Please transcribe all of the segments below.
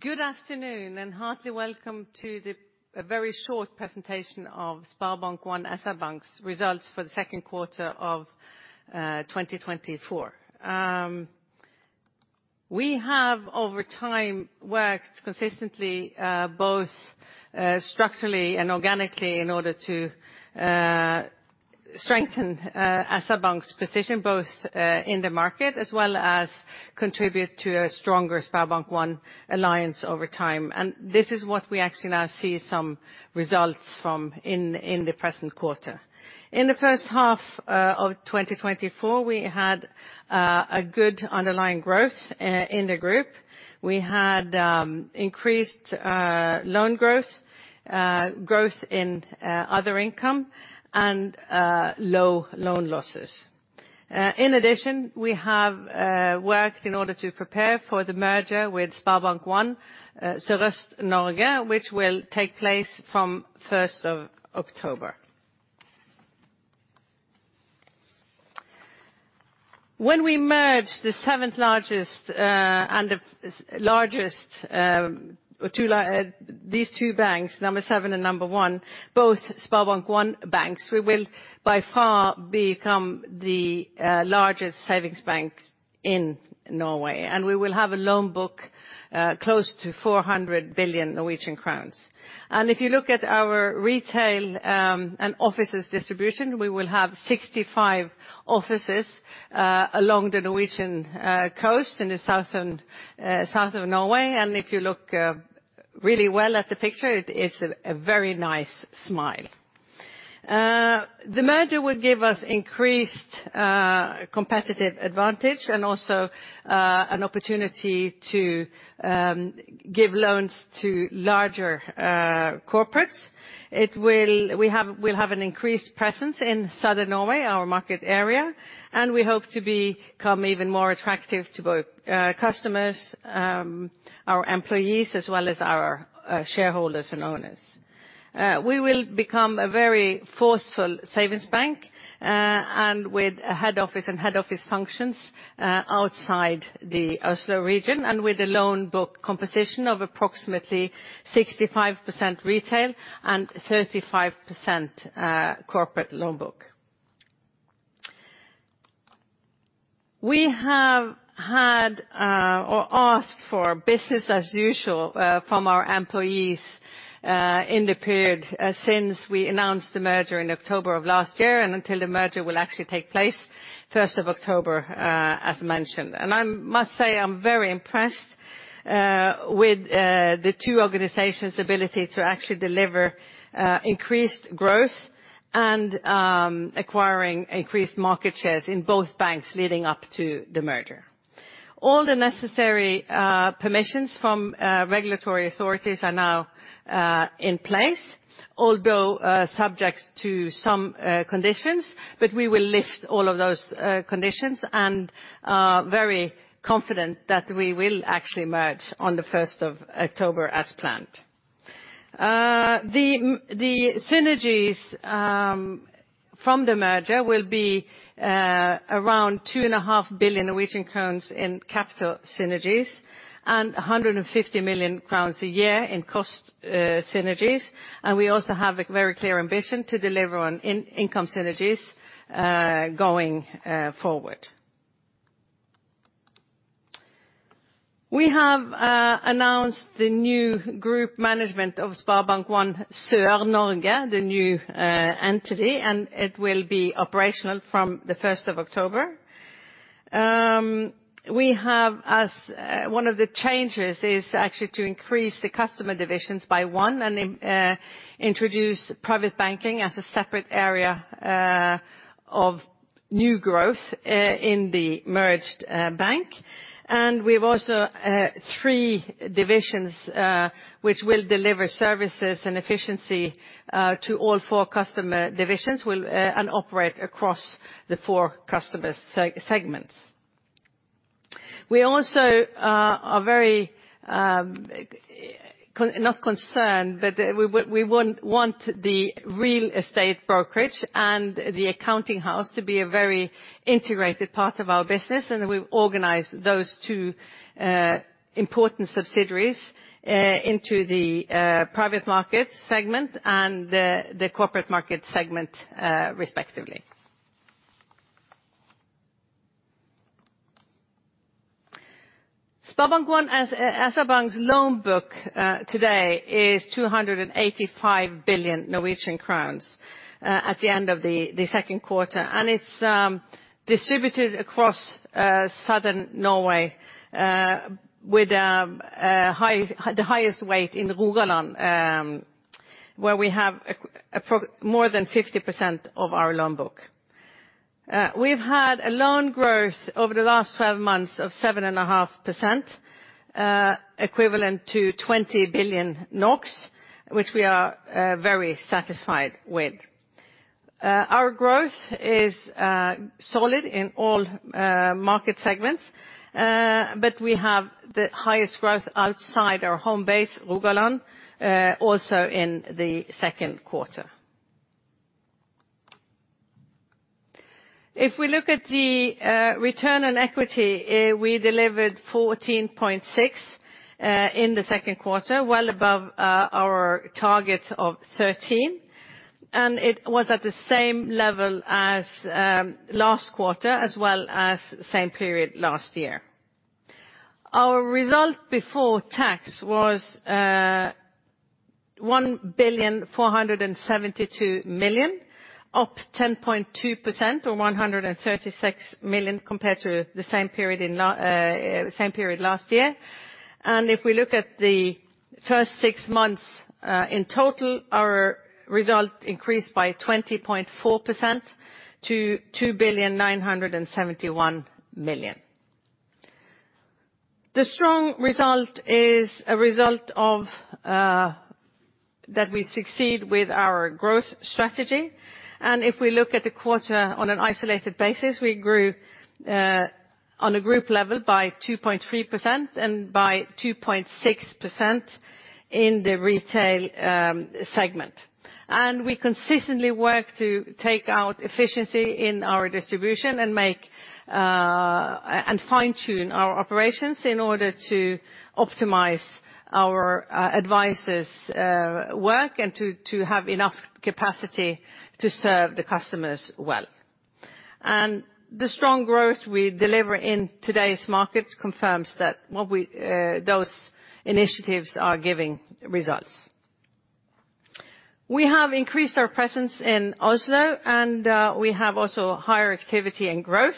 Good afternoon, and heartily welcome to a very short presentation of SpareBank 1 SR-Bank's results for the second quarter of 2024. We have, over time, worked consistently, both structurally and organically in order to strengthen SR-Bank's position, both in the market, as well as contribute to a stronger SpareBank 1 Alliance over time. And this is what we actually now see some results from in the present quarter. In the first half of 2024, we had a good underlying growth in the group. We had increased loan growth, growth in other income, and low loan losses. In addition, we have worked in order to prepare for the merger with SpareBank 1 Sørøst-Norge, which will take place from October 1. When we merge the seventh largest and the largest these two banks, number seven and number one, both SpareBank 1 banks, we will by far become the largest savings bank in Norway, and we will have a loan book close to 400 billion Norwegian crowns. If you look at our retail and offices distribution, we will have 65 offices along the Norwegian coast in the southern south of Norway. If you look really well at the picture, it is a very nice smile. The merger will give us increased competitive advantage, and also an opportunity to give loans to larger corporates. We have, we'll have an increased presence in Southern Norway, our market area, and we hope to become even more attractive to both customers, our employees, as well as our shareholders and owners. We will become a very forceful savings bank, and with a head office and head office functions outside the Oslo region, and with a loan book composition of approximately 65% retail and 35% corporate loan book. We have had or asked for business as usual from our employees in the period since we announced the merger in October of last year, and until the merger will actually take place first of October, as mentioned. I must say, I'm very impressed with the two organizations' ability to actually deliver increased growth, and acquiring increased market shares in both banks leading up to the merger. All the necessary permissions from regulatory authorities are now in place, although subject to some conditions, but we will lift all of those conditions, and very confident that we will actually merge on the first of October as planned. The synergies from the merger will be around 2.5 billion Norwegian crowns in capital synergies, and 150 million crowns a year in cost synergies. We also have a very clear ambition to deliver on income synergies going forward. We have announced the new group management of SpareBank 1 Sør-Norge, the new entity, and it will be operational from the first of October. We have as one of the changes is actually to increase the customer divisions by 1, and introduce Private Banking as a separate area of new growth in the merged bank. We've also 3 divisions which will deliver services and efficiency to all 4 customer divisions and operate across the 4 customer segments. We also are very not concerned, but we want the real estate brokerage and the accounting house to be a very integrated part of our business, and we've organized those two important subsidiaries into the private markets segment and the corporate market segment, respectively. SpareBank 1 SR-Bank's loan book today is 285 billion Norwegian crowns at the end of the second quarter, and it's distributed across southern Norway, with the highest weight in the Rogaland, where we have more than 60% of our loan book. We've had a loan growth over the last 12 months of 7.5%, equivalent to 20 billion NOK, which we are very satisfied with. Our growth is solid in all market segments, but we have the highest growth outside our home base, Rogaland, also in the second quarter. If we look at the return on equity, we delivered 14.6 in the second quarter, well above our target of 13. It was at the same level as last quarter, as well as same period last year. Our result before tax was 1,472 million, up 10.2%, or 136 million, compared to the same period last year. If we look at the first six months in total, our result increased by 20.4% to 2,971 million. The strong result is a result of that we succeed with our growth strategy, and if we look at the quarter on an isolated basis, we grew on a group level by 2.3% and by 2.6% in the retail segment. We consistently work to take out efficiency in our distribution and make and fine-tune our operations in order to optimize our advisors' work, and to have enough capacity to serve the customers well. The strong growth we deliver in today's market confirms that those initiatives are giving results. We have increased our presence in Oslo, and we have also higher activity and growth,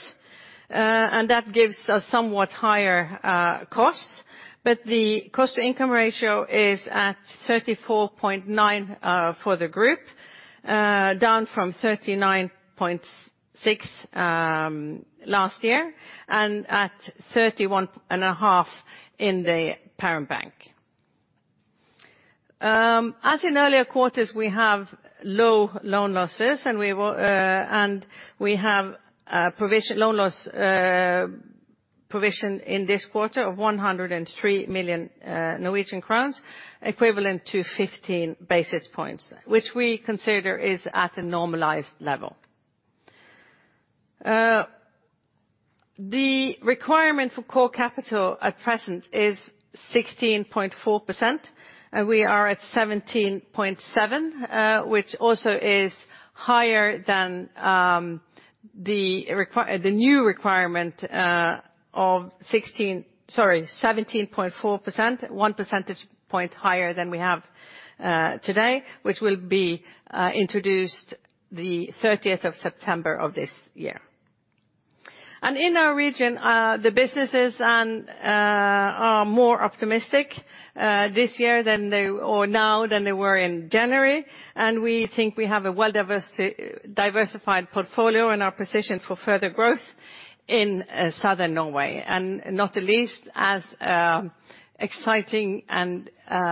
and that gives us somewhat higher costs. The cost-to-income ratio is at 34.9% for the group, down from 39.6% last year, and at 31.5% in the parent bank. As in earlier quarters, we have low loan losses, and we have loan loss provision in this quarter of 103 million Norwegian crowns, equivalent to 15 basis points, which we consider is at a normalized level. The requirement for core capital at present is 16.4%, and we are at 17.7%, which also is higher than the new requirement of 17.4%, one percentage point higher than we have today, which will be introduced the 30th of September of this year. In our region, the businesses and are more optimistic this year than they, or now, than they were in January, and we think we have a well diversified portfolio and are positioned for further growth in Southern Norway, and not the least, as exciting and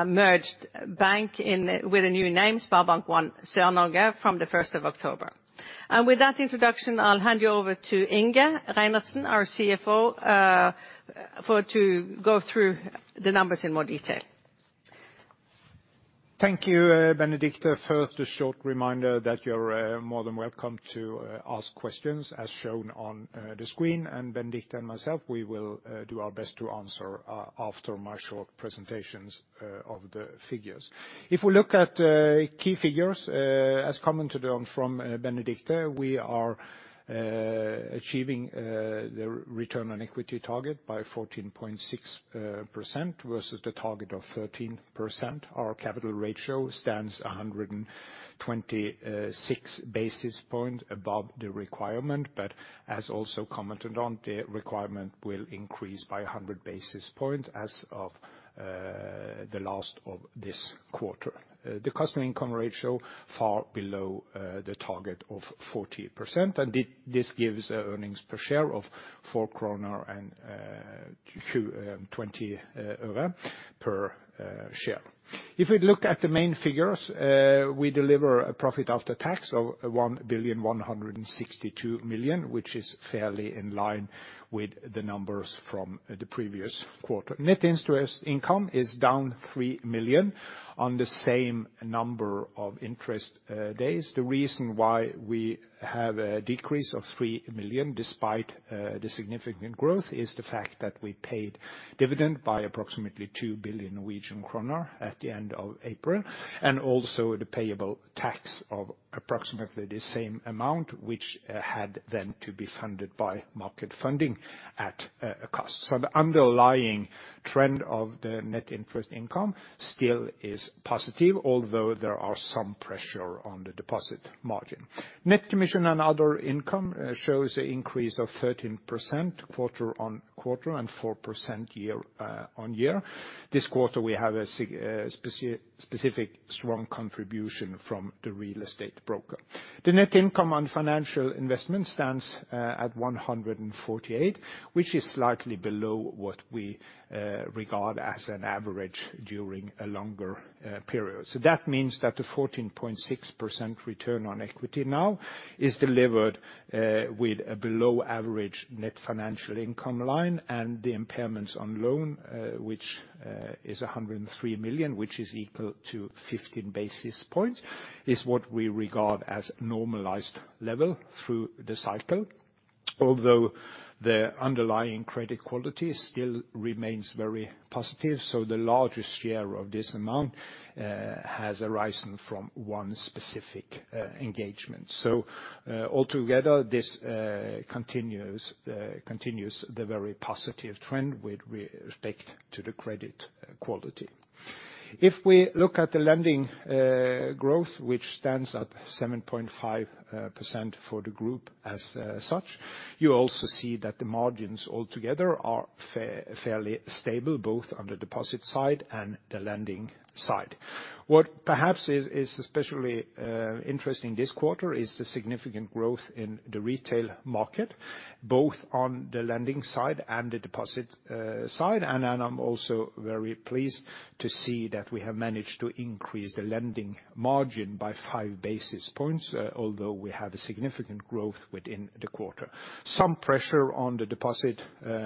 merged bank in with a new name, SpareBank 1 Sør-Norge from the 1st of October. With that introduction, I'll hand you over to Inge Reinertsen, our CFO, for to go through the numbers in more detail. Thank you, Benedicte. First, a short reminder that you're more than welcome to ask questions, as shown on the screen. Benedicte and myself, we will do our best to answer after my short presentations of the figures. If we look at key figures, as commented on from Benedicte, we are achieving the return on equity target by 14.6% versus the target of 13%. Our capital ratio stands 126 basis points above the requirement, but as also commented on, the requirement will increase by 100 basis points as of the last of this quarter. The cost-to-income ratio, far below the target of 40%, and this gives an earnings per share of 4.20 NOK per share. If we look at the main figures, we deliver a profit after tax of 1,162 million, which is fairly in line with the numbers from the previous quarter. Net interest income is down 3 million on the same number of interest days. The reason why we have a decrease of 3 million, despite the significant growth, is the fact that we paid dividend by approximately 2 billion Norwegian kroner at the end of April, and also the payable tax of approximately the same amount, which had then to be funded by market funding at a cost. So the underlying trend of the net interest income still is positive, although there are some pressure on the deposit margin. Net commission and other income shows a increase of 13% quarter-on-quarter, and 4% year-on-year. This quarter, we have a specific strong contribution from the real estate broker. The net income on financial investment stands at 148 million, which is slightly below what we regard as an average during a longer period. So that means that the 14.6% return on equity now is delivered with a below average net financial income line, and the impairments on loan which is 103 million, which is equal to 15 basis points, is what we regard as normalized level through the cycle. Although the underlying credit quality still remains very positive, so the largest share of this amount has arisen from one specific engagement. So, altogether, this continues the very positive trend with respect to the credit quality. If we look at the lending growth, which stands at 7.5% for the group as such, you also see that the margins altogether are fairly stable, both on the deposit side and the lending side. What perhaps is especially interesting this quarter is the significant growth in the retail market, both on the lending side and the deposit side, and I'm also very pleased to see that we have managed to increase the lending margin by 5 basis points, although we have a significant growth within the quarter. Some pressure on the deposit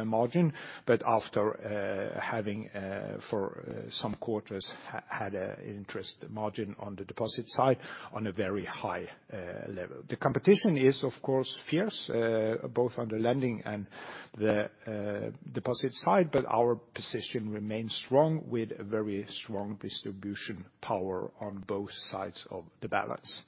margin, but after having for some quarters had a interest margin on the deposit side on a very high level. The competition is, of course, fierce, both on the lending and the deposit side, but our position remains strong, with a very strong distribution power on both sides of the balance.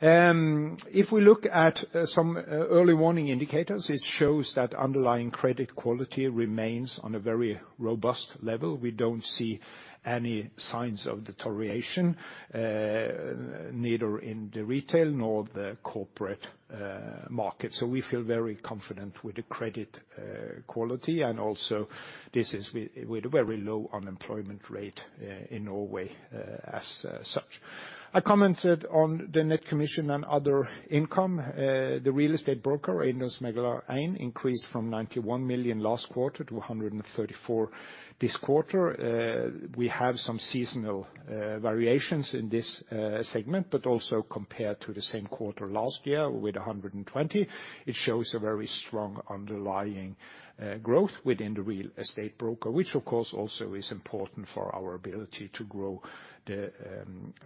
If we look at some early warning indicators, it shows that underlying credit quality remains on a very robust level. We don't see any signs of deterioration, neither in the retail nor the corporate market, so we feel very confident with the credit quality, and also this is with a very low unemployment rate in Norway, as such. I commented on the net commission and other income. The real estate broker, EiendomsMegler 1, increased from 91 million last quarter to 134 million this quarter. We have some seasonal variations in this segment, but also compared to the same quarter last year with 120 million, it shows a very strong underlying growth within the real estate broker, which, of course, also is important for our ability to grow the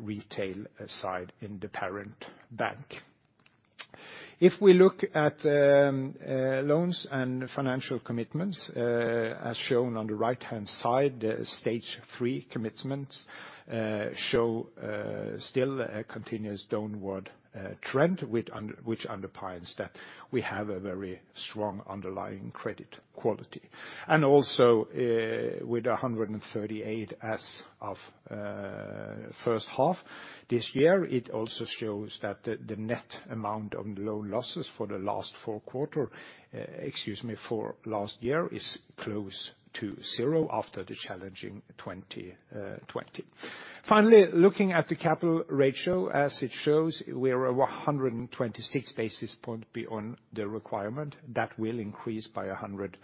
retail side in the parent bank. If we look at loans and financial commitments, as shown on the right-hand side, the stage 3 commitments show still a continuous downward trend, with which underpins that we have a very strong underlying credit quality. And also, with 138 as of first half this year, it also shows that the net amount of loan losses for the last 4 quarters for last year is close to zero after the challenging 2020. Finally, looking at the capital ratio, as it shows, we are over 126 basis points beyond the requirement. That will increase by 100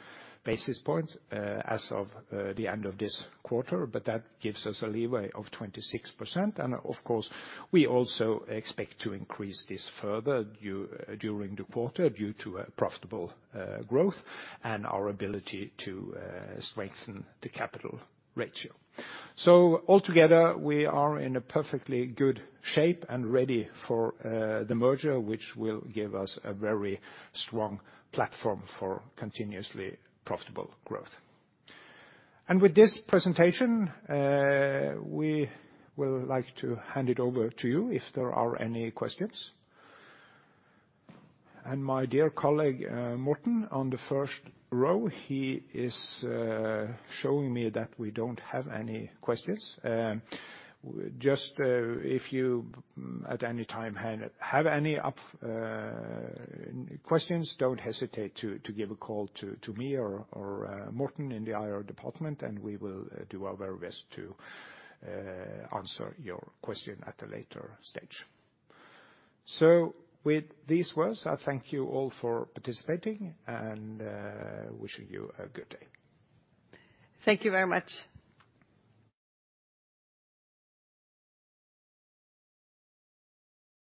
basis points as of the end of this quarter, but that gives us a leeway of 26%. And of course, we also expect to increase this further during the quarter, due to a profitable growth and our ability to strengthen the capital ratio. So altogether, we are in a perfectly good shape and ready for the merger, which will give us a very strong platform for continuously profitable growth. With this presentation, we will like to hand it over to you if there are any questions. My dear colleague, Morten, on the first row, he is showing me that we don't have any questions. Just, if you at any time have any questions, don't hesitate to give a call to me or Morten in the IR department, and we will do our very best to answer your question at a later stage. With these words, I thank you all for participating, and wishing you a good day. Thank you very much.